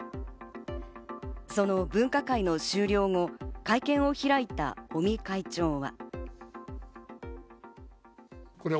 その分科会の終了後、会見を開いた尾身会長は。